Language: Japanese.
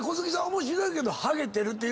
面白いけどハゲてるっていうの。